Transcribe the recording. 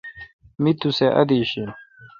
می تو سہ ادیش این۔